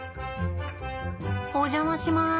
お邪魔します。